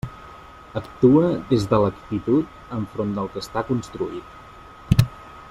Actua des de l'actitud enfront del que està construït.